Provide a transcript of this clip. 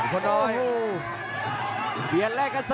ต้องบอกว่าคนที่จะโชคกับคุณพลน้อยสภาพร่างกายมาต้องเกินร้อยครับ